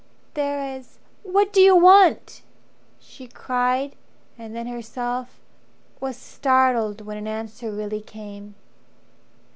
"There is. What do you want?" she cried, and then herself Was startled when an answer really came.